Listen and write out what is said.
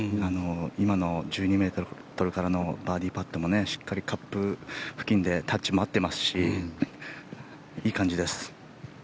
今の１２ｍからのバーディーパットもしっかりカップ付近でタッチも合ってますしいい感じです。